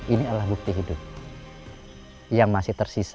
ini adalah bukti hidup yang masih tersisa